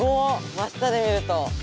ま下で見ると。